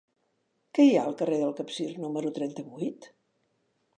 Què hi ha al carrer del Capcir número trenta-vuit?